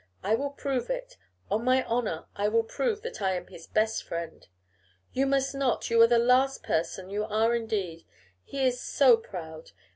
I will prove it. On my honour, I will prove that I am his best friend.' 'You must not. You are the last person, you are indeed. He is so proud!